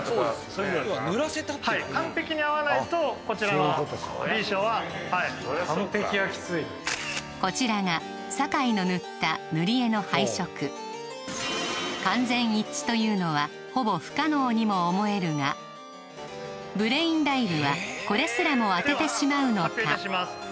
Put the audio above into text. そりゃそっか完璧はきついこちらが酒井の塗った塗り絵の配色完全一致というのはほぼ不可能にも思えるがブレインダイブはこれすらも当ててしまうのか